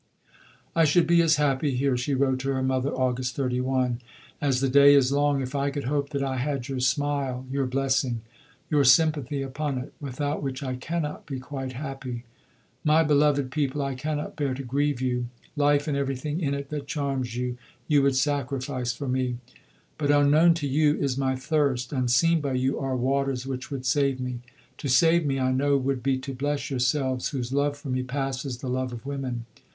"I should be as happy here," she wrote to her mother (August 31), "as the day is long, if I could hope that I had your smile, your blessing, your sympathy upon it; without which I cannot be quite happy. My beloved people, I cannot bear to grieve you. Life and everything in it that charms you, you would sacrifice for me; but unknown to you is my thirst, unseen by you are waters which would save me. To save me, I know would be to bless yourselves, whose love for me passes the love of women.